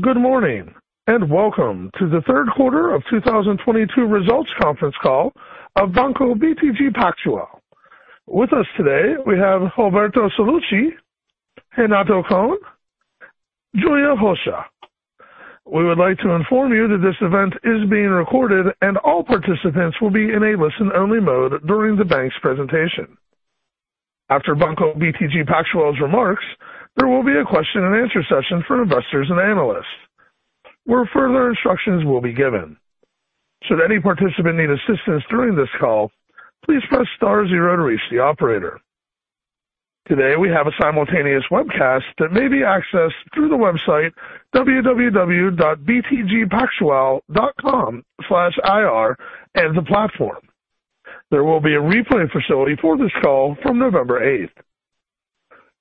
Good morning. Welcome to the third quarter of 2022 results conference call of Banco BTG Pactual. With us today, we have Roberto Sallouti, Renato Cohn, Julia Rocha. We would like to inform you that this event is being recorded, and all participants will be in a listen-only mode during the bank's presentation. After Banco BTG Pactual's remarks, there will be a question and answer session for investors and analysts, where further instructions will be given. Should any participant need assistance during this call, please press star zero to reach the operator. Today, we have a simultaneous webcast that may be accessed through the website www.btgpactual.com/ir as the platform. There will be a replay facility for this call from November 8th.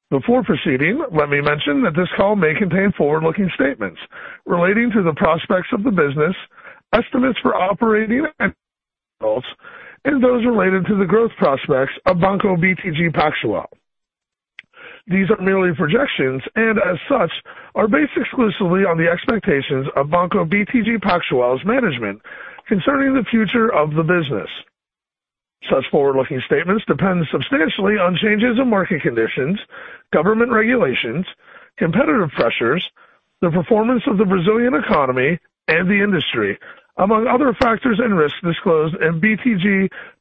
Before proceeding, let me mention that this call may contain forward-looking statements relating to the prospects of the business, estimates for operating results, and those related to the growth prospects of Banco BTG Pactual. These are merely projections, as such, are based exclusively on the expectations of Banco BTG Pactual's management concerning the future of the business. Such forward-looking statements depend substantially on changes in market conditions, government regulations, competitive pressures, the performance of the Brazilian economy and the industry, among other factors and risks disclosed in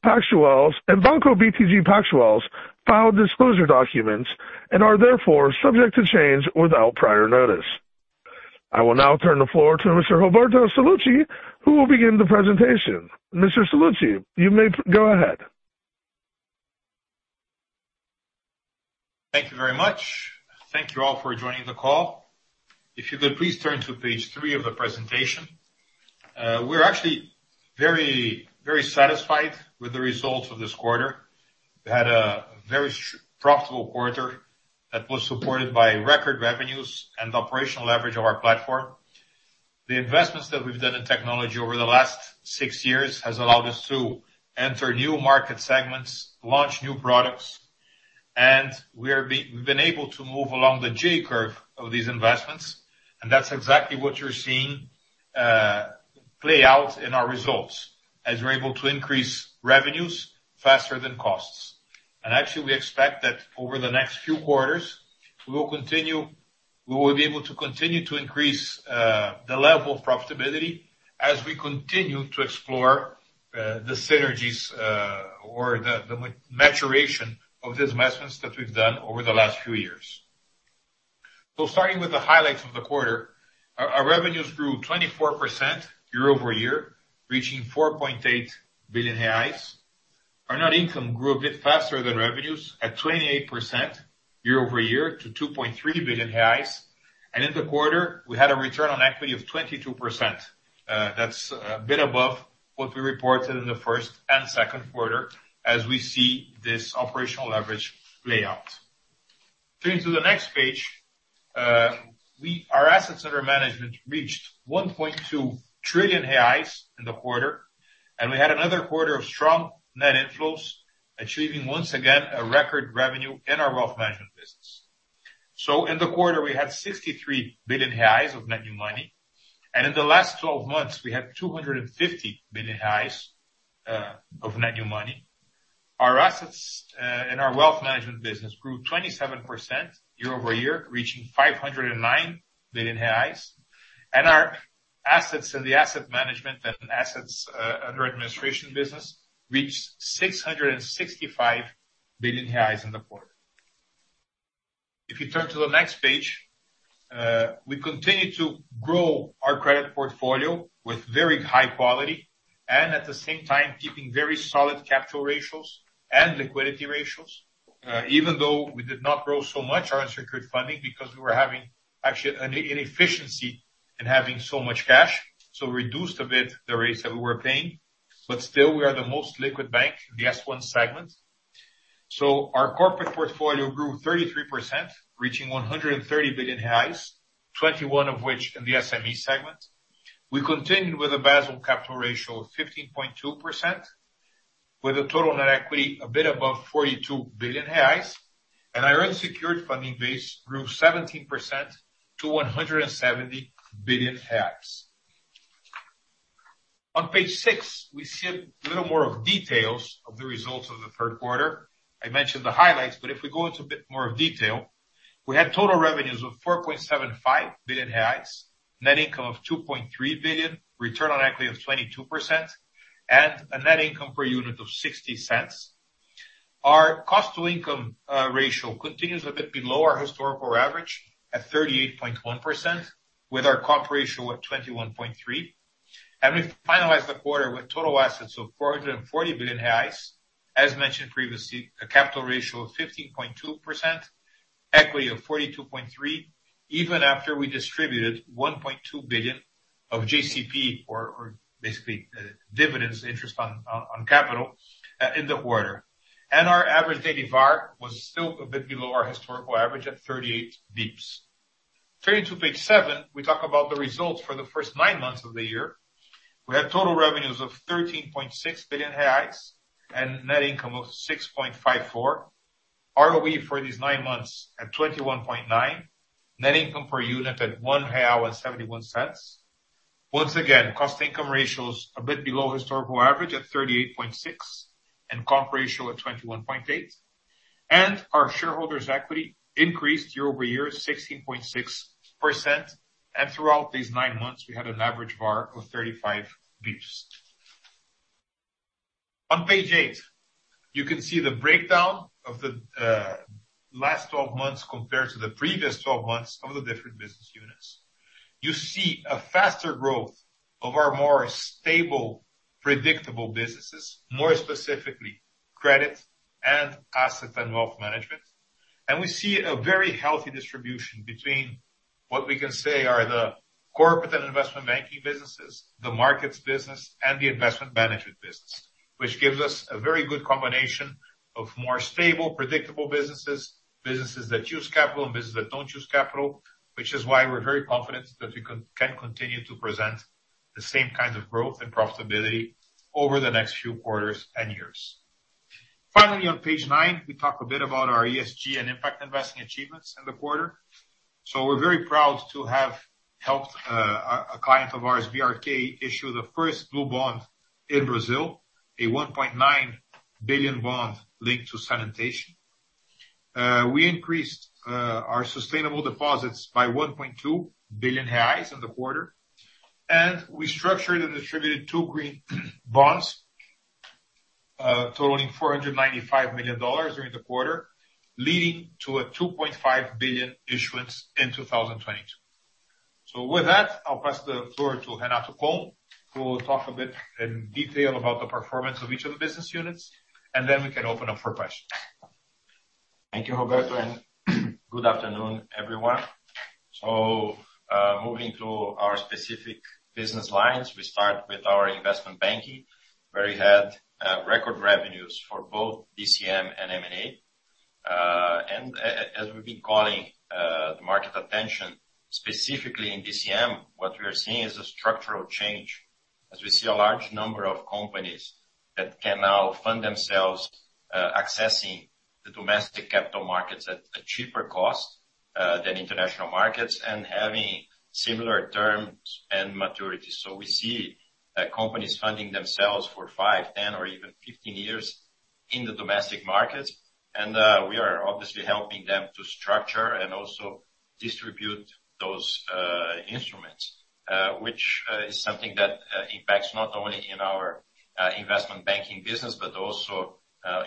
Banco BTG Pactual's filed disclosure documents, are therefore subject to change without prior notice. I will now turn the floor to Mr. Roberto Sallouti, who will begin the presentation. Mr. Sallouti, you may go ahead. Thank you very much. Thank you all for joining the call. If you could please turn to page three of the presentation. We're actually very satisfied with the results of this quarter. We had a very profitable quarter that was supported by record revenues and operational leverage of our platform. The investments that we've done in technology over the last six years has allowed us to enter new market segments, launch new products, and we've been able to move along the J curve of these investments, and that's exactly what you're seeing play out in our results, as we're able to increase revenues faster than costs. Actually, we expect that over the next few quarters, we will be able to continue to increase the level of profitability as we continue to explore the synergies or the maturation of the investments that we've done over the last few years. Starting with the highlights of the quarter, our revenues grew 24% year-over-year, reaching 4.8 billion reais. Our net income grew a bit faster than revenues at 28% year-over-year to 2.3 billion reais. In the quarter, we had a return on equity of 22%. That's a bit above what we reported in the first and second quarter as we see this operational leverage play out. Turning to the next page, our assets under management reached 1.2 trillion reais in the quarter, and we had another quarter of strong net inflows, achieving, once again, a record revenue in our wealth management business. In the quarter, we had 63 billion reais of net new money. In the last 12 months, we had 250 billion reais of net new money. Our assets in our wealth management business grew 27% year-over-year, reaching 509 billion reais. Our assets in the asset management and assets under administration business reached 665 billion reais in the quarter. If you turn to the next page, we continue to grow our credit portfolio with very high quality and at the same time keeping very solid capital ratios and liquidity ratios. Even though we did not grow so much our unsecured funding because we were having actually an inefficiency in having so much cash. Reduced a bit the rates that we were paying, but still we are the most liquid bank in the S1 segment. Our corporate portfolio grew 33%, reaching 130 billion, 21 of which in the SME segment. We continued with a Basel capital ratio of 15.2% with a total net equity a bit above 42 billion reais. Our unsecured funding base grew 17% to 170 billion reais. On page six, we see a little more of details of the results of the third quarter. I mentioned the highlights, but if we go into a bit more of detail, we had total revenues of 4.75 billion reais, net income of 2.3 billion, return on equity of 22%, and a net income per unit of 0.60. Our cost to income ratio continues a bit below our historical average at 38.1%, with our comp ratio at 21.3%. We finalized the quarter with total assets of 440 billion reais. As mentioned previously, a capital ratio of 15.2%, equity of 42.3 billion, even after we distributed 1.2 billion of JCP or basically dividends interest on capital in the quarter. Our average daily VaR was still a bit below our historical average at 38 basis points. Turning to page seven, we talk about the results for the first nine months of the year. We had total revenues of 13.6 billion reais and net income of 6.54 billion. ROE for these nine months at 21.9%. Net income per unit at 1.71. Once again, cost income ratio is a bit below historical average at 38.6% and comp ratio at 21.8%. Our shareholders' equity increased year-over-year 16.6%, and throughout these nine months, we had an average VaR of 35 basis points. On page eight, you can see the breakdown of the last 12 months compared to the previous 12 months of the different business units. You see a faster growth of our more stable, predictable businesses, more specifically credit and asset and wealth management. We see a very healthy distribution between what we can say are the corporate and investment banking businesses, the markets business, and the investment management business, which gives us a very good combination of more stable, predictable businesses that use capital and businesses that don't use capital, which is why we are very confident that we can continue to present the same kind of growth and profitability over the next few quarters and years. Finally, on page nine, we talk a bit about our ESG and impact investing achievements in the quarter. We are very proud to have helped a client of ours, BRK, issue the first blue bond in Brazil, a 1.9 billion bond linked to sanitation. We increased our sustainable deposits by 1.2 billion reais in the quarter. We structured and distributed two green bonds totaling $495 million during the quarter, leading to a 2.5 billion issuance in 2022. With that, I will pass the floor to Renato Cohn, who will talk a bit in detail about the performance of each of the business units. Then we can open up for questions. Thank you, Roberto, and good afternoon, everyone. Moving to our specific business lines, we start with our investment banking where we had record revenues for both DCM and M&A. As we have been calling the market attention, specifically in DCM, what we are seeing is a structural change as we see a large number of companies that can now fund themselves, accessing the domestic capital markets at a cheaper cost than international markets and having similar terms and maturity. We see companies funding themselves for five, 10, or even 15 years in the domestic markets. We are obviously helping them to structure and also distribute those instruments, which is something that impacts not only in our investment banking business, but also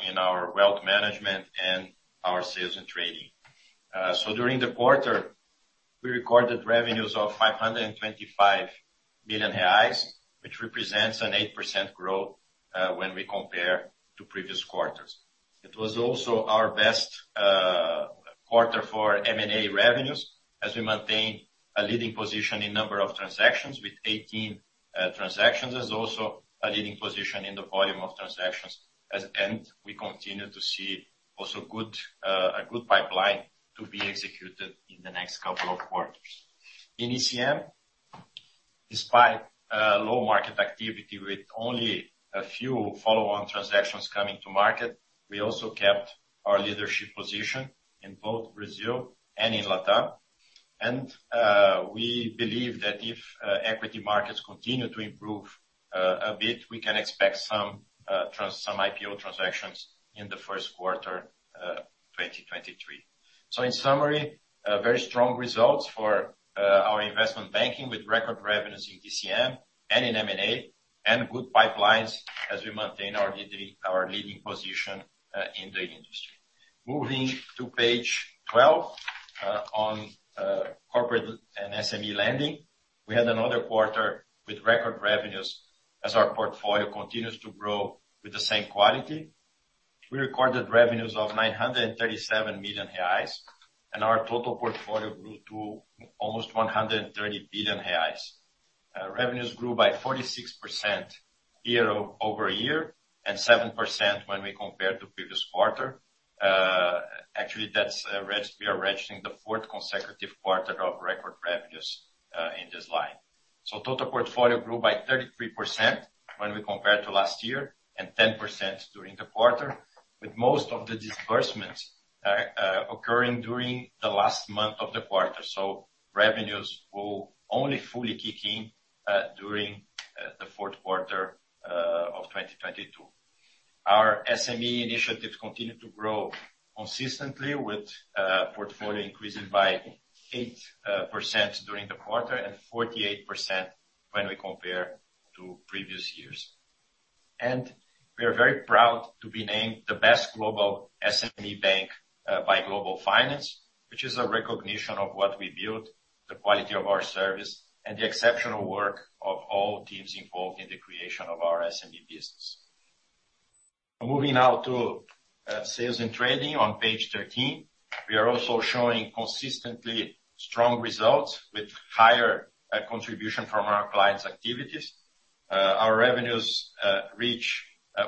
in our wealth management and our sales and trading. During the quarter, we recorded revenues of 525 million reais, which represents an 8% growth, when we compare to previous quarters. It was also our best quarter for M&A revenues as we maintain a leading position in number of transactions with 18 transactions. There is also a leading position in the volume of transactions. We continue to see also a good pipeline to be executed in the next couple of quarters. In ECM, despite low market activity with only a few follow-on transactions coming to market, we also kept our leadership position in both Brazil and in Latam. We believe that if equity markets continue to improve a bit, we can expect some IPO transactions in the first quarter 2023. In summary, very strong results for our investment banking with record revenues in DCM and in M&A and good pipelines as we maintain our leading position in the industry. Moving to page 12, on corporate and SME lending. We had another quarter with record revenues as our portfolio continues to grow with the same quality. We recorded revenues of 937 million reais, and our total portfolio grew to almost 130 billion reais. Revenues grew by 46% year-over-year, 7% when we compare to previous quarter. Actually, we are registering the fourth consecutive quarter of record revenues in this line. Total portfolio grew by 33% when we compare to last year, 10% during the quarter. With most of the disbursements occurring during the last month of the quarter. Revenues will only fully kick in during the fourth quarter of 2022. Our SME initiatives continue to grow consistently with portfolio increasing by 8% during the quarter and 48% when we compare to previous years. We are very proud to be named the best global SME bank, by Global Finance, which is a recognition of what we built, the quality of our service, and the exceptional work of all teams involved in the creation of our SME business. Moving now to sales and trading on page 13. We are also showing consistently strong results with higher contribution from our clients' activities. Our revenues reach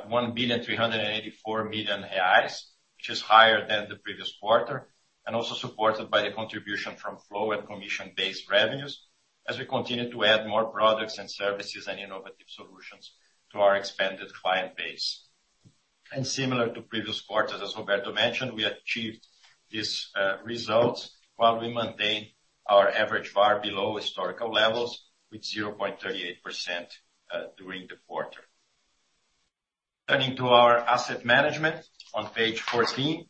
1 billion reais, 384 million, which is higher than the previous quarter, also supported by the contribution from flow and commission-based revenues as we continue to add more products and services and innovative solutions to our expanded client base. Similar to previous quarters, as Roberto mentioned, we achieved these results while we maintain our average VaR below historical levels with 0.38% during the quarter. Turning to our asset management on page 14.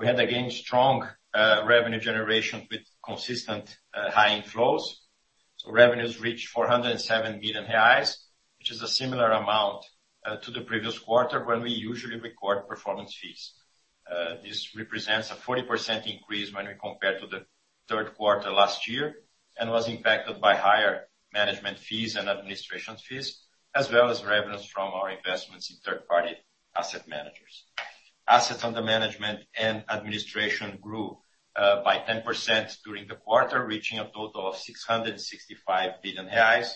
We had, again, strong revenue generation with consistent high inflows. Revenues reached 407 million reais, which is a similar amount to the previous quarter when we usually record performance fees. This represents a 40% increase when we compare to the third quarter last year and was impacted by higher management fees and administration fees, as well as revenues from our investments in third-party asset managers. Assets under management and administration grew by 10% during the quarter, reaching a total of 665 billion reais,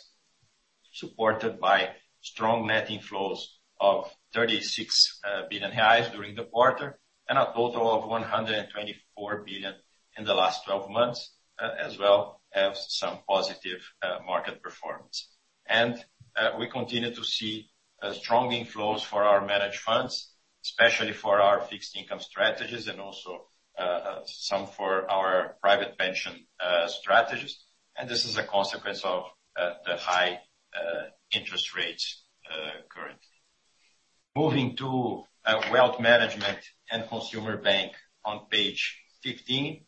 supported by strong net inflows of 36 billion reais during the quarter, and a total of 124 billion in the last 12 months, as well as some positive market performance. We continue to see strong inflows for our managed funds, especially for our fixed income strategies also some for our private pension strategies. This is a consequence of the high interest rates currently. Moving to wealth management and consumer bank on page 15.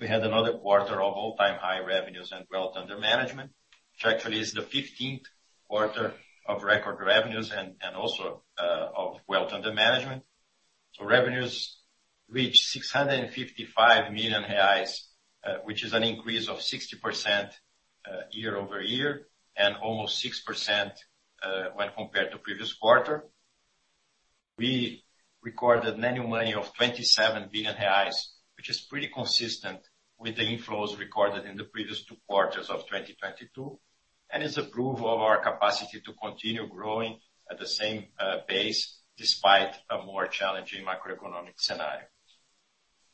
We had another quarter of all-time high revenues and wealth under management, which actually is the 15th quarter of record revenues also of wealth under management. Revenues reached 655 million reais, which is an increase of 60% year-over-year and almost 6% when compared to the previous quarter. We recorded net new money of 27 billion reais, which is pretty consistent with the inflows recorded in the previous two quarters of 2022, is a proof of our capacity to continue growing at the same pace, despite a more challenging macroeconomic scenario.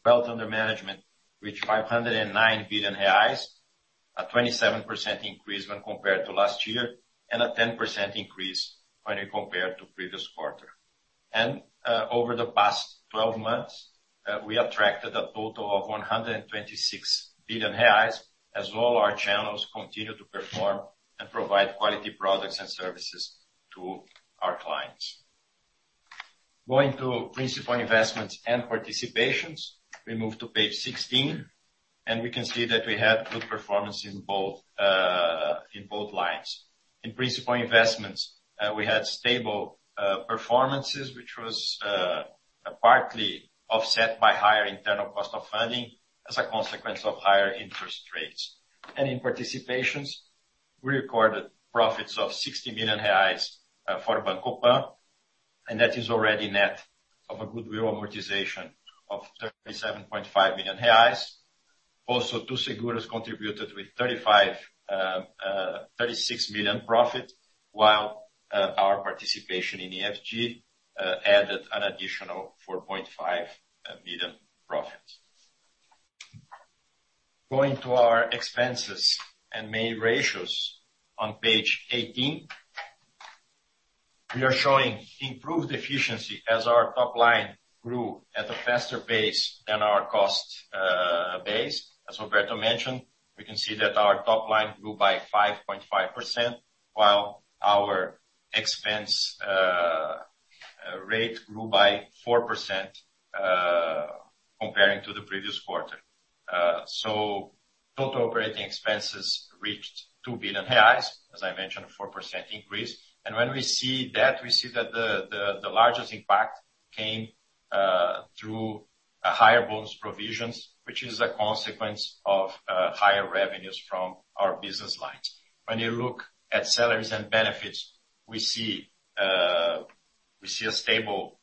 Wealth under management reached 509 billion reais, a 27% increase when compared to last year and a 10% increase when we compare to the previous quarter. Over the past 12 months, we attracted a total of 126 billion reais, as all our channels continue to perform and provide quality products and services to our clients. Going to principal investments and participations, we move to page 16, we can see that we had good performance in both lines. In principal investments, we had stable performances, which was partly offset by higher internal cost of funding as a consequence of higher interest rates. In participations, we recorded profits of 60 million reais for Banco Pan, that is already net of a goodwill amortization of 37.5 million reais. Also, Too Seguros contributed with 36 million profit while our participation in EFG added an additional 4.5 million profit. Going to our expenses and main ratios on page 18. We are showing improved efficiency as our top line grew at a faster pace than our cost base. As Roberto mentioned, we can see that our top line grew by 5.5%, while our expense rate grew by 4% comparing to the previous quarter. Total operating expenses reached 2 billion reais, as I mentioned, a 4% increase. When we see that, we see that the largest impact came through higher bonus provisions, which is a consequence of higher revenues from our business lines. When you look at salaries and benefits, we see a stable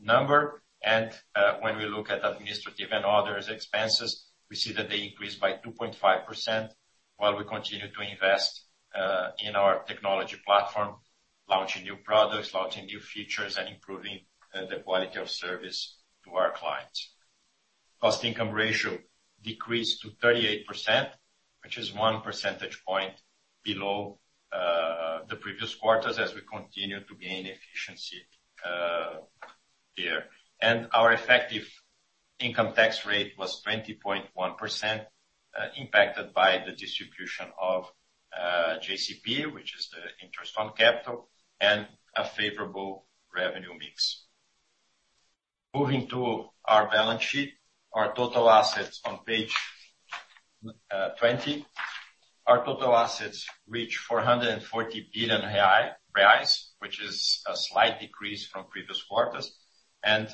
number. When we look at administrative and others' expenses, we see that they increased by 2.5% while we continue to invest in our technology platform, launching new products, launching new features, and improving the quality of service to our clients. Cost-income ratio decreased to 38%, which is one percentage point below the previous quarters as we continue to gain efficiency here. Our effective income tax rate was 20.1%, impacted by the distribution of JCP, which is the interest on capital, and a favorable revenue mix. Moving to our balance sheet, our total assets on page 20. Our total assets reached 440 billion reais, which is a slight decrease from previous quarters and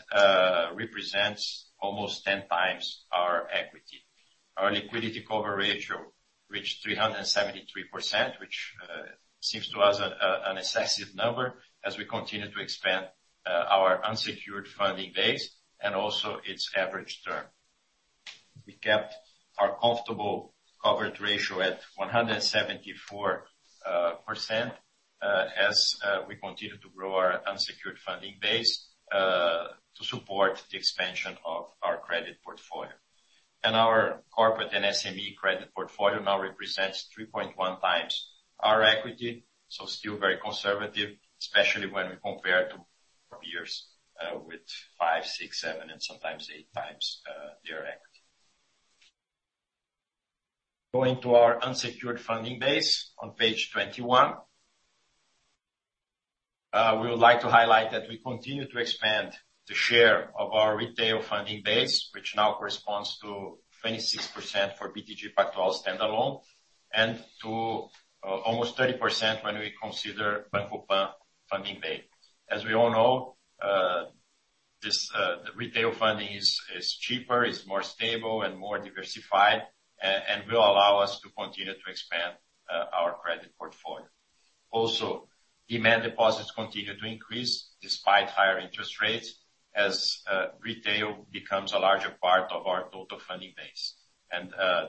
represents almost ten times our equity. Our liquidity cover ratio reached 373%, which seems to us an excessive number as we continue to expand our unsecured funding base and also its average term. We kept our comfortable coverage ratio at 174% as we continue to grow our unsecured funding base to support the expansion of our credit portfolio. Our corporate and SME credit portfolio now represents 3.1 times our equity, still very conservative, especially when we compare to peers with five, six, seven, and sometimes eight times their equity. Going to our unsecured funding base on page 21. We would like to highlight that we continue to expand the share of our retail funding base, which now corresponds to 26% for BTG Pactual standalone, and to almost 30% when we consider Banco Pan funding base. As we all know, the retail funding is cheaper, it's more stable and more diversified, and will allow us to continue to expand our credit portfolio. Also, demand deposits continue to increase despite higher interest rates as retail becomes a larger part of our total funding base.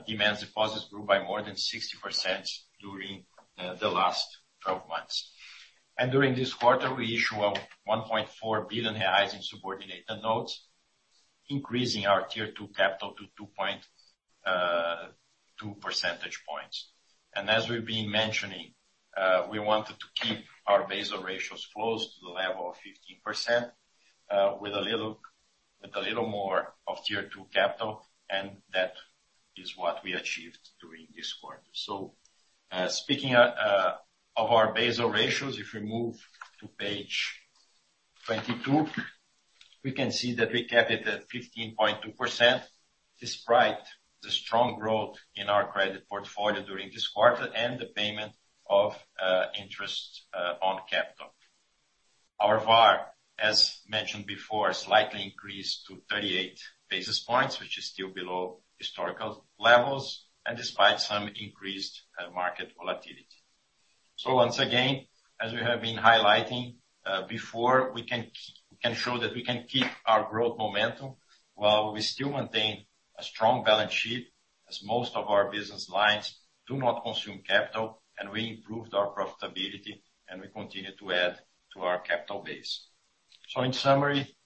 Demand deposits grew by more than 60% during the last 12 months. During this quarter, we issue 1.4 billion reais in subordinated notes, increasing our Tier 2 capital to 2.2 percentage points. As we've been mentioning, we wanted to keep our Basel ratios close to the level of 15% with a little more of Tier 2 capital, and that is what we achieved during this quarter. Speaking of our Basel ratios, if we move to page 22, we can see that we kept it at 15.2% despite the strong growth in our credit portfolio during this quarter and the payment of interest on capital. Our VaR, as mentioned before, slightly increased to 38 basis points, which is still below historical levels and despite some increased market volatility. Once again, as we have been highlighting before, we can show that we can keep our growth momentum while we still maintain a strong balance sheet as most of our business lines do not consume capital, and we improved our profitability, and we continue to add to our capital base. In summary,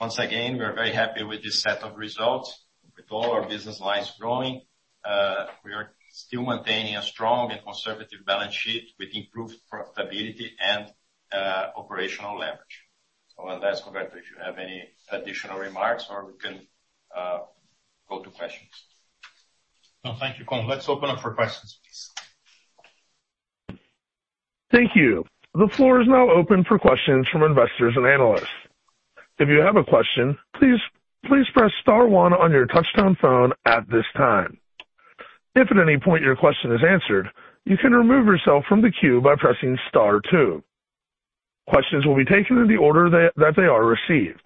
once again, we are very happy with this set of results. With all our business lines growing, we are still maintaining a strong and conservative balance sheet with improved profitability and operational leverage. I'll ask Roberto if you have any additional remarks, or we can go to questions. No, thank you, Cohn. Let's open up for questions, please. Thank you. The floor is now open for questions from investors and analysts. If you have a question, please press star one on your touchtone phone at this time. If at any point your question is answered, you can remove yourself from the queue by pressing star two. Questions will be taken in the order that they are received.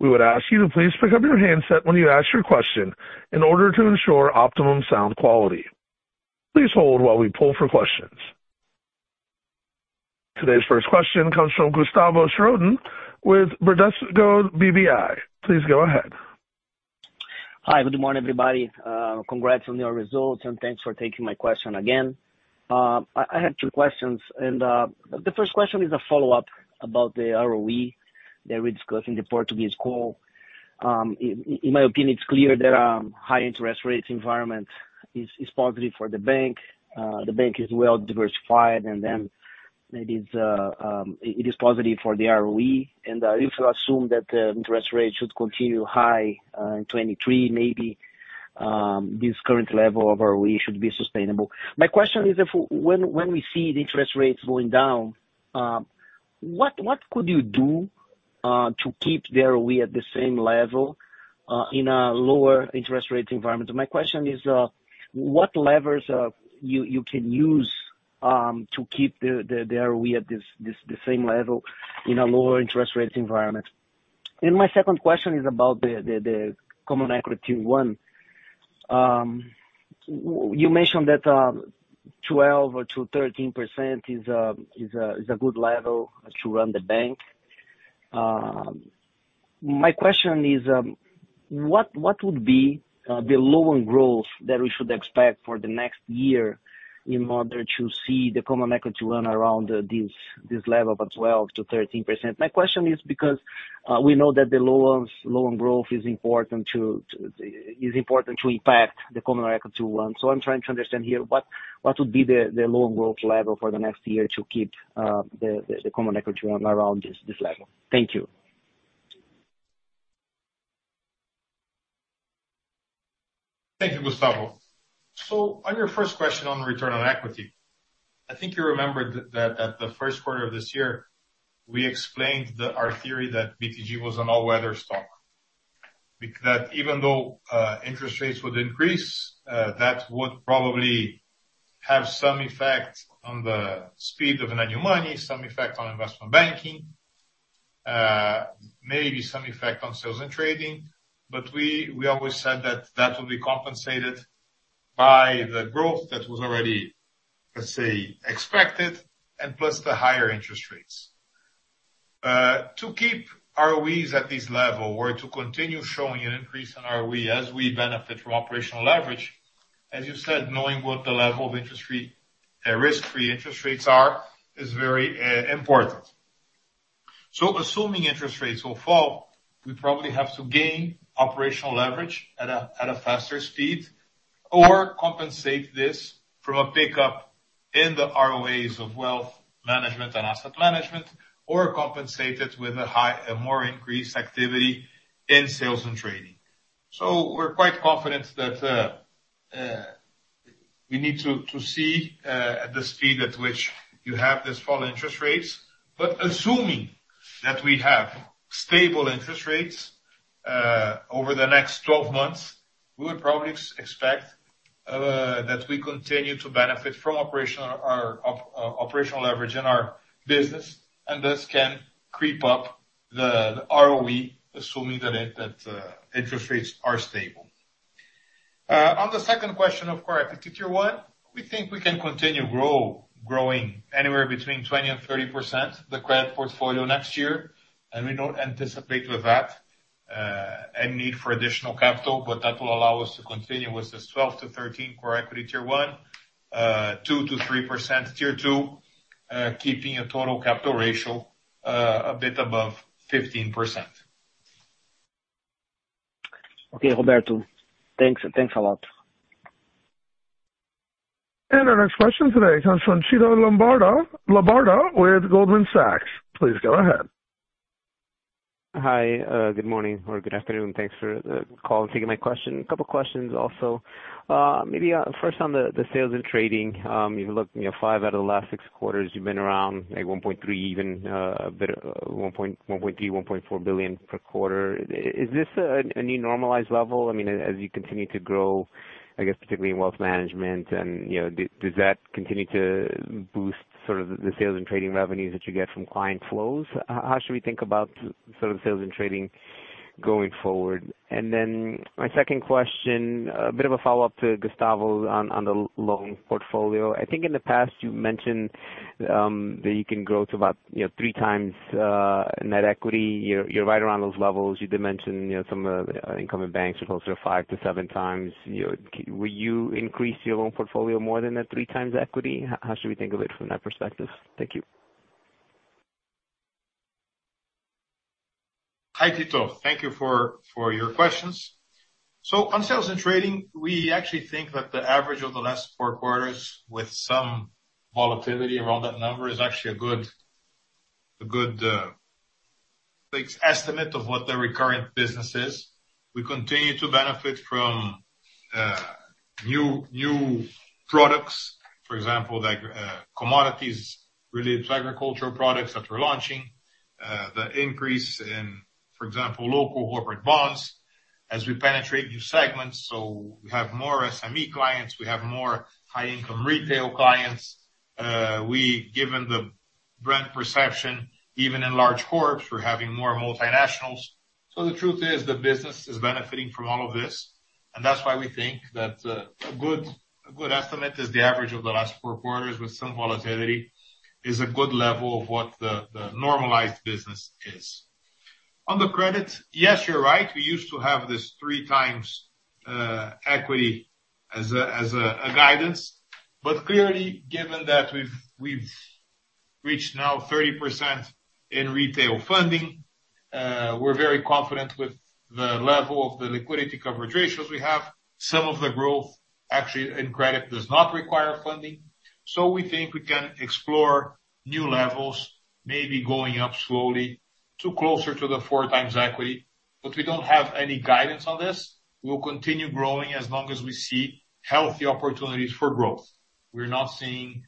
We would ask you to please pick up your handset when you ask your question in order to ensure optimum sound quality. Please hold while we pull for questions. Today's first question comes from Gustavo Schroden with Bradesco BBI. Please go ahead. Hi, good morning, everybody. Congrats on your results, and thanks for taking my question again. I have two questions. The first question is a follow-up about the ROE that we discussed in the Portuguese call. In my opinion, it's clear that high interest rates environment is positive for the bank. The bank is well-diversified, then it is positive for the ROE, and if you assume that the interest rate should continue high in 2023, maybe this current level of ROE should be sustainable. My question is, if when we see the interest rates going down, what could you do to keep the ROE at the same level in a lower interest rate environment? My question is, what levers you can use to keep the ROE at the same level in a lower interest rates environment? My second question is about the common equity one. You mentioned that 12%-13% is a good level to run the bank. My question is, what would be the loan growth that we should expect for the next year in order to see the Core Equity Tier 1 run around this level of 12%-13%? My question is because we know that the loan growth is important to impact the Core Equity Tier 1. I'm trying to understand here what would be the loan growth level for the next year to keep the Core Equity Tier 1 run around this level. Thank you. Thank you, Gustavo. On your first question on return on equity, I think you remember that at the first quarter of this year, we explained our theory that BTG was an all-weather stock. Even though interest rates would increase, that would probably have some effect on the speed of new money, some effect on investment banking, maybe some effect on sales and trading. We always said that that would be compensated by the growth that was already, let's say, expected and plus the higher interest rates. To keep ROEs at this level or to continue showing an increase in ROE as we benefit from operational leverage, as you said, knowing what the level of risk-free interest rates are is very important. Assuming interest rates will fall, we probably have to gain operational leverage at a faster speed or compensate this from a pickup in the ROA of wealth management and asset management, or compensate it with a more increased activity in sales and trading. We're quite confident that we need to see at the speed at which you have this fall in interest rates. Assuming that we have stable interest rates over the next 12 months, we would probably expect that we continue to benefit from operational leverage in our business, and this can creep up the ROE, assuming that interest rates are stable. On the second question, of Core Equity Tier 1, we think we can continue growing anywhere between 20%-30% the credit portfolio next year. We don't anticipate with that any need for additional capital, but that will allow us to continue with this 12%-13% Core Equity Tier 1, 2%-3% Tier 2, keeping a total capital ratio a bit above 15%. Okay, Roberto. Thanks a lot. Our next question today comes from Tito Labarta with Goldman Sachs. Please go ahead. Hi. Good morning or good afternoon. Thanks for taking my question. A couple questions also. Maybe first on the sales and trading. If you look five out of the last six quarters, you've been around like 1.3 even, a bit, 1.3, 1.4 billion per quarter. Is this a new normalized level? As you continue to grow, I guess particularly in wealth management and does that continue to boost the sales and trading revenues that you get from client flows? How should we think about sales and trading going forward? Then my second question, a bit of a follow-up to Gustavo on the loan portfolio. I think in the past you mentioned that you can grow to about three times net equity. You're right around those levels. You did mention some of the income in banks are closer to five to seven times. Will you increase your loan portfolio more than that three times equity? How should we think of it from that perspective? Thank you. Hi, Tito. On sales and trading, we actually think that the average of the last four quarters with some volatility around that number is actually a good estimate of what the recurrent business is. We continue to benefit from new products, for example, like commodities related to agricultural products that we're launching. The increase in, for example, local corporate bonds as we penetrate new segments. We have more SME clients, we have more high income retail clients. Given the brand perception, even in large corps, we're having more multinationals. The truth is, the business is benefiting from all of this, and that's why we think that a good estimate is the average of the last four quarters with some volatility is a good level of what the normalized business is. On the credit, yes, you're right. We used to have this 3 times equity as a guidance. Clearly given that we've reached now 30% in retail funding, we're very confident with the level of the liquidity coverage ratios we have. Some of the growth actually in credit does not require funding. We think we can explore new levels, maybe going up slowly to closer to the 4 times equity. We don't have any guidance on this. We'll continue growing as long as we see healthy opportunities for growth. We're not seeing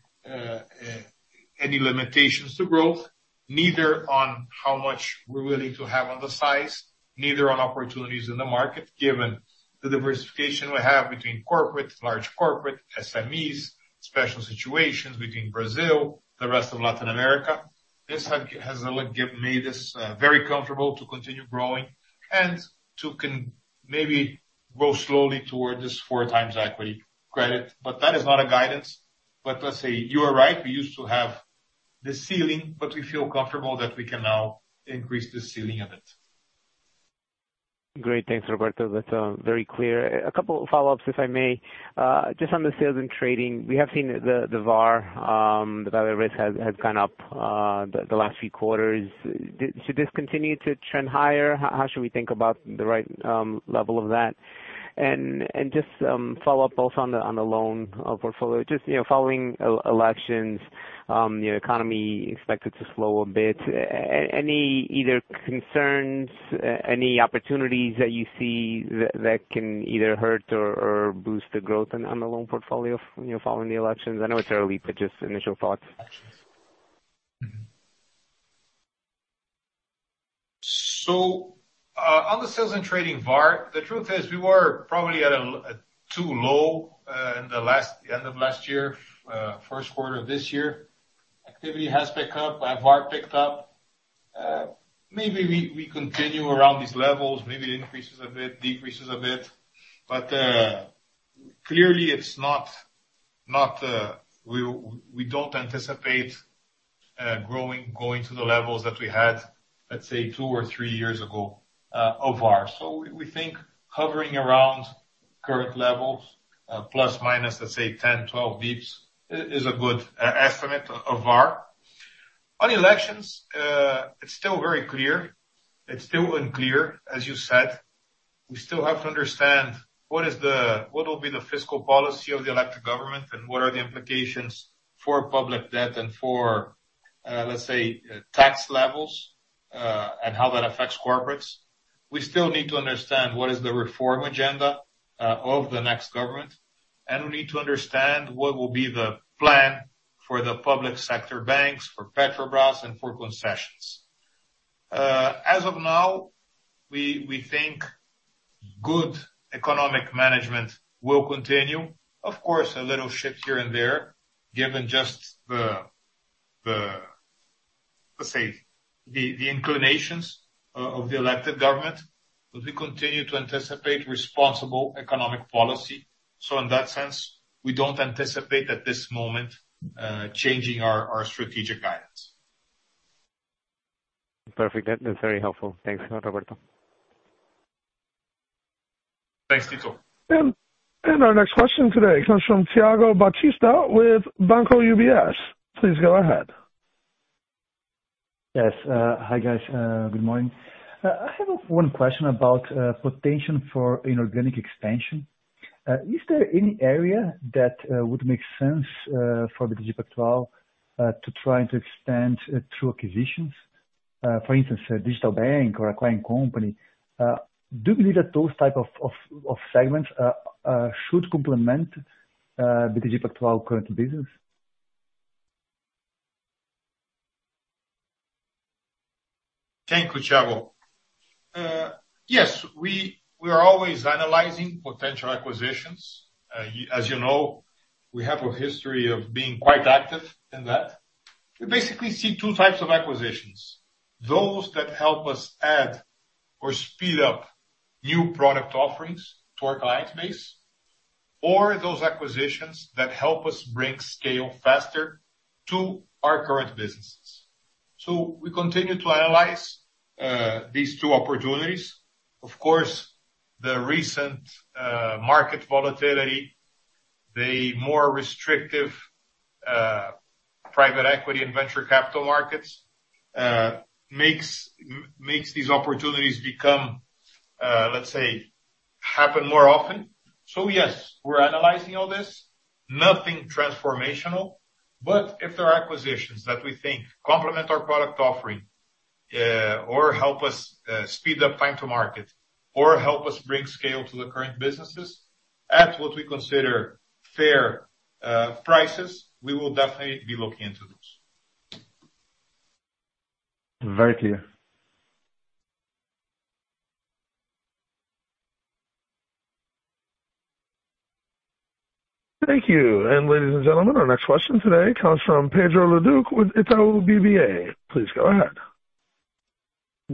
any limitations to growth, neither on how much we're willing to have on the size, neither on opportunities in the market. Given the diversification we have between corporate, large corporate, SMEs, special situations between Brazil, the rest of Latin America. This has made us very comfortable to continue growing and to maybe grow slowly toward this 4 times equity credit. That is not a guidance. Let's say, you are right, we used to have this ceiling, but we feel comfortable that we can now increase the ceiling of it. Great. Thanks, Roberto. That's very clear. A couple follow-ups, if I may. Just on the sales and trading, we have seen the VaR, the Value at Risk has gone up the last few quarters. Should this continue to trend higher? How should we think about the right level of that? Just follow up both on the loan portfolio. Just following elections, the economy expected to slow a bit. Any either concerns, any opportunities that you see that can either hurt or boost the growth on the loan portfolio following the elections? I know it's early, but just initial thoughts. On the sales and trading VaR, the truth is we were probably at too low end of last year, first quarter of this year. Activity has picked up. Our VaR picked up. Maybe we continue around these levels. Maybe it increases a bit, decreases a bit. Clearly we don't anticipate going to the levels that we had, let's say, two or three years ago of VaR. We think hovering around current levels, plus or minus, let's say 10, 12 basis points, is a good estimate of VaR. On elections, it's still very clear. It's still unclear, as you said. We still have to understand what will be the fiscal policy of the elected government, and what are the implications for public debt and for, let's say, tax levels, and how that affects corporates. We still need to understand what is the reform agenda of the next government, and we need to understand what will be the plan for the public sector banks, for Petrobras, and for concessions. As of now, we think good economic management will continue. Of course, a little shift here and there, given just the, let's say, the inclinations of the elected government, we continue to anticipate responsible economic policy. In that sense, we don't anticipate at this moment, changing our strategic guidance. Perfect. That's very helpful. Thanks a lot, Roberto. Thanks, Tito. Our next question today comes from Thiago Batista with UBS BB. Please go ahead. Yes. Hi, guys. Good morning. I have one question about potential for inorganic expansion. Is there any area that would make sense for BTG Pactual to try to extend through acquisitions, for instance, a digital bank or acquiring company? Do you believe that those type of segments should complement BTG Pactual current business? Thank you, Thiago. Yes, we are always analyzing potential acquisitions. As you know, we have a history of being quite active in that. We basically see two types of acquisitions, those that help us add or speed up new product offerings to our client base, or those acquisitions that help us bring scale faster to our current businesses. We continue to analyze these two opportunities. Of course, the recent market volatility, the more restrictive private equity and venture capital markets, makes these opportunities become, let's say, happen more often. Yes, we're analyzing all this. Nothing transformational, but if there are acquisitions that we think complement our product offering, or help us speed up time to market, or help us bring scale to the current businesses at what we consider fair prices, we will definitely be looking into those. Very clear. Thank you. Ladies and gentlemen, our next question today comes from Pedro Leduc with Itaú BBA. Please go ahead.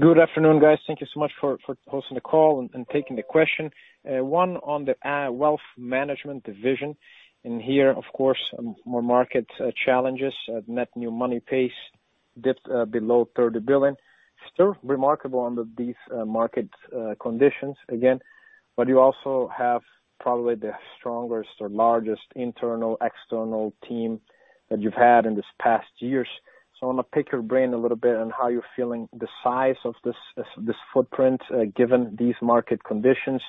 Good afternoon, guys. Thank you so much for hosting the call and taking the question. One on the wealth management division. Here, of course, more market challenges. Net new money pace dipped below 30 billion. Still remarkable under these market conditions, again, but you also have probably the strongest or largest internal, external team that you've had in this past years. I'm going to pick your brain a little bit on how you're feeling the size of this footprint, given these market conditions.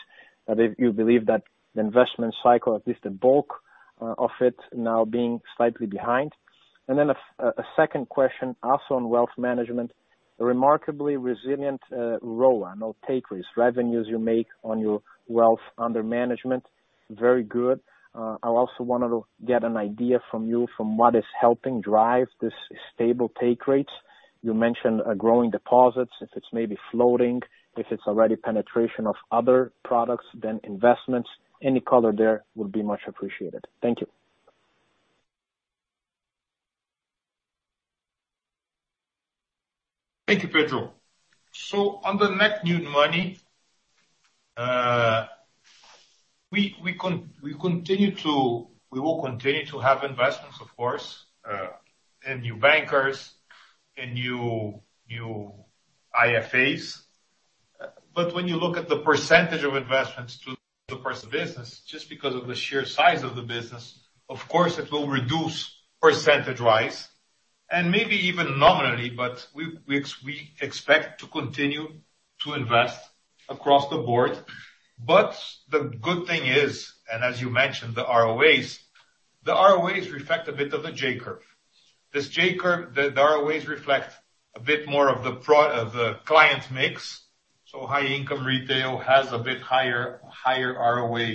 That if you believe that the investment cycle, at least the bulk of it, now being slightly behind. Then a second question, also on wealth management, remarkably resilient ROA on all take rates, revenues you make on your wealth under management. Very good. I also wanted to get an idea from you from what is helping drive this stable take rates. You mentioned growing deposits, if it's maybe floating, if it's already penetration of other products, then investments. Any color there would be much appreciated. Thank you. Thank you, Pedro. On the net new money, we will continue to have investments, of course, in new bankers, in new IFAs. When you look at the percentage of investments to the personal business, just because of the sheer size of the business, of course it will reduce percentage wise, and maybe even nominally, but we expect to continue to invest across the board. The good thing is, and as you mentioned, the ROA, the ROA reflect a bit of a J-curve. This J-curve, the ROA reflect a bit more of the client mix. High income retail has a bit higher ROA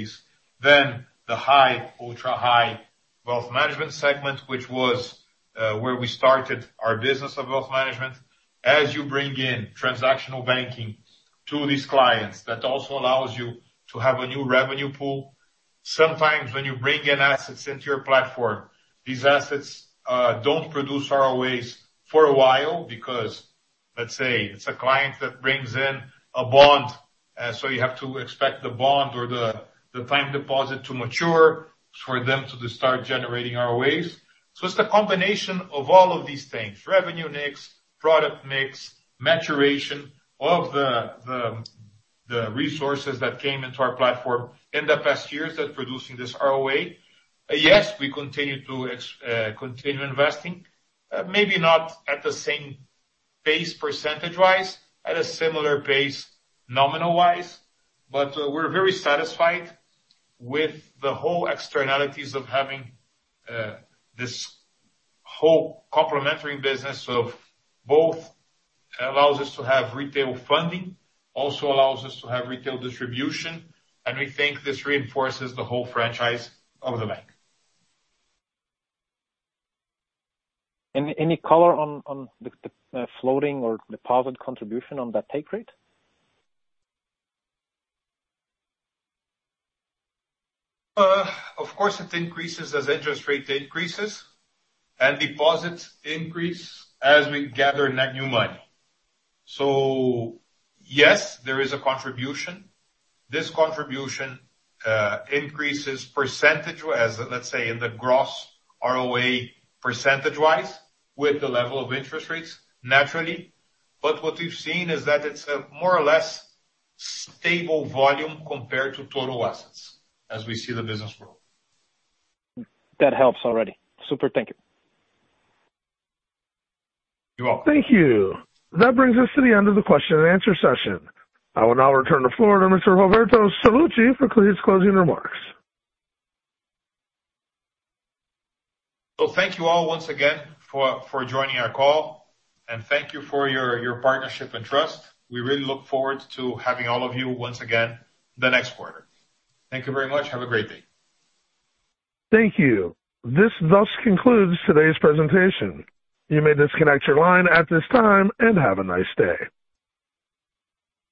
than the high, ultra high wealth management segment, which was where we started our business of wealth management. As you bring in transactional banking to these clients, that also allows you to have a new revenue pool. Sometimes when you bring in assets into your platform, these assets don't produce ROA for a while because, let's say, it's a client that brings in a bond, you have to expect the bond or the time deposit to mature for them to start generating ROA. It's the combination of all of these things, revenue mix, product mix, maturation of the resources that came into our platform in the past years that producing this ROA. Yes, we continue investing. Maybe not at the same pace percentage-wise, at a similar pace nominal-wise. We're very satisfied with the whole externalities of having this whole complementary business of both allows us to have retail funding, also allows us to have retail distribution, and we think this reinforces the whole franchise of the bank. Any color on the floating or deposit contribution on that take rate? Of course, it increases as interest rate increases and deposits increase as we gather net new money. Yes, there is a contribution. This contribution increases percent, let's say, in the gross ROA %-wise with the level of interest rates, naturally. What we've seen is that it's a more or less stable volume compared to total assets as we see the business grow. That helps already. Super. Thank you. You're welcome. Thank you. That brings us to the end of the question and answer session. I will now return the floor to Mr. Roberto Sallouti for his closing remarks. Thank you all once again for joining our call, and thank you for your partnership and trust. We really look forward to having all of you once again the next quarter. Thank you very much. Have a great day. Thank you. This thus concludes today's presentation. You may disconnect your line at this time, and have a nice day.